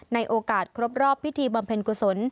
ในโอกาสครบรอบพิธีบำเพ็ญกุศล